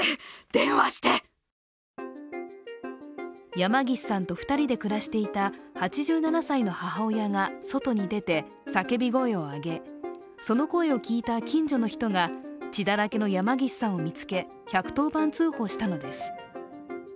山岸さんと２人で暮らしていた８７歳の母親が外に出て、叫び声を上げ、その声を聞いた近所の人が血だらけの山岸さんを見つけ１１０番通報したのです。